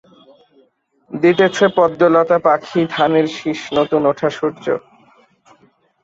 দিতেছে-পদ্মলতা, পাখি, ধানের শিষ, নতুন ওঠা সূর্য।